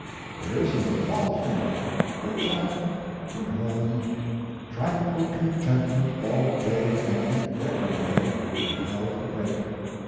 There isn't a fault in it good times, good home, tranquil contentment all day & every day without a break.